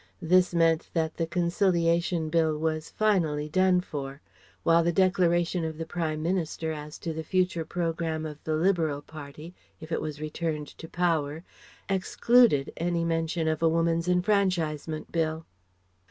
This meant that the Conciliation Bill was finally done for; while the declaration of the Prime Minister as to the future Programme of the Liberal Party, if it was returned to power, excluded any mention of a Woman's enfranchisement Bill.